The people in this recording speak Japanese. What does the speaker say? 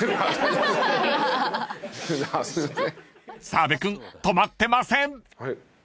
［澤部君泊まってません］